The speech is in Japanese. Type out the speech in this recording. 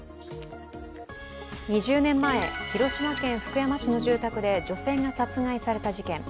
２０年前、広島県福山市の住宅で女性が殺害された事件。